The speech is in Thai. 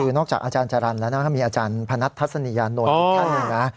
คือนอกจากอาจารย์จรรย์แล้วก็มีอาจารย์พนัททัศนียานนท์อีกท่านหนึ่งนะ